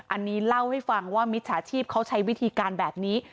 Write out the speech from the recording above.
อันนี้เล่าให้ฟังว่ามิจฉาชีพเขาใช้วิธีการแบบนี้